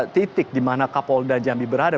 titik di mana kapolda jambi berada